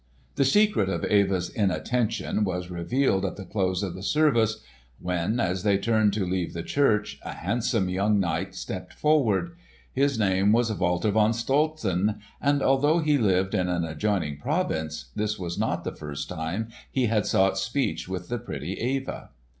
The secret of Eva's inattention was revealed at the close of the service when, as they turned to leave the church, a handsome young knight stepped forward. His name was Walter von Stolzen, and although he lived in an adjoining province, this was not the first time he had sought speech with the pretty Eva.